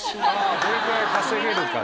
どれぐらい稼げるかね。